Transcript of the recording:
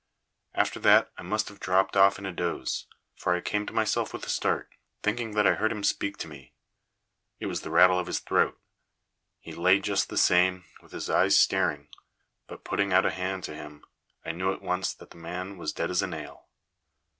After that I must have dropped off in a doze; for I came to myself with a start, thinking that I heard him speak to me. It was the rattle in his throat. He lay just the same, with his eyes staring, but, putting out a hand to him, I knew at once that the man was dead as a nail.